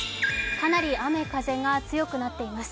かなり雨風が強くなっています。